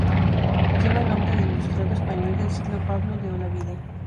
Lleva el nombre del ilustrado español del siglo Pablo de Olavide.